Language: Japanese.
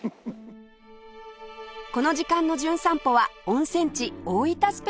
この時間の『じゅん散歩』は温泉地大分スペシャル！